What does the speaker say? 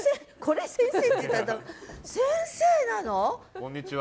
こんにちは。